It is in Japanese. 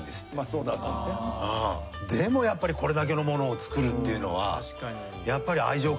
うんでもやっぱりこれだけのものを作るっていうのは。